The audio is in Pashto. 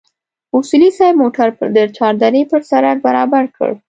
اصولي صیب موټر د چار درې پر سړک برابر کړ.